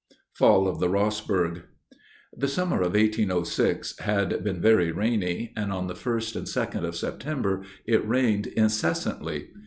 FALL OF THE ROSSBERG. The summer of 1806 had been very rainy; and on the first and second of September it rained incessantly.